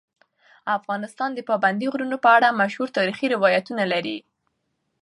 افغانستان د پابندی غرونه په اړه مشهور تاریخی روایتونه لري.